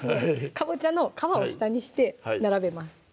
かぼちゃの皮を下にして並べます